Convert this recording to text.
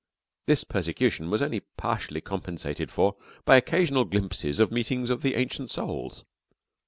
This persecution was only partly compensated for by occasional glimpses of meetings of the Ancient Souls.